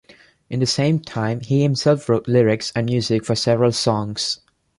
In the same time, he himself wrote lyrics and music for several songs.